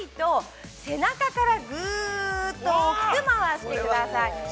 ポイントは、しっかりと、背中から、ずっと、大きく回してください。